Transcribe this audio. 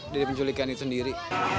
dari penculikan itu sendiri